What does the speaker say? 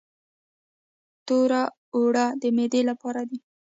تور اوړه د معدې لپاره دي.